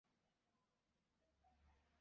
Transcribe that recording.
首府利沃夫。